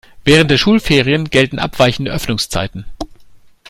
Während der Schulferien gelten abweichende Öffnungszeiten.